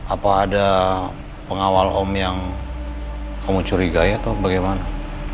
apa ada pengawal om yang kamu curigai atau bagaimana